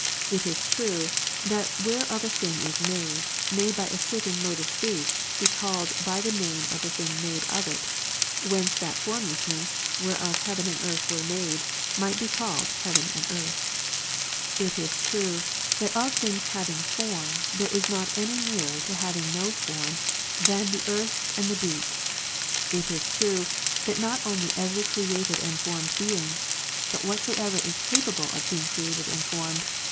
It is true, that that whereof a thing is made, may by a certain mode of speech, be called by the name of the thing made of it ; whence that formlessness, whereof heaven and earth were made, might be called heaven and earth. It is true, that of things having 26 1 Summary of true but different meanings CONF. form, there is Bot any nearer to having no form, than the ^'^^^•. earth and the deep. It is true, that not only every created and formed thing, but whatsoever is capable of being created 1 Cor. 8, and formed.